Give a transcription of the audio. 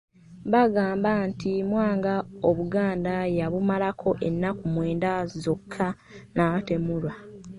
Bagamba nti Mwanga Obuganda yabumalako ennaku mwenda zokka n'atemulwa.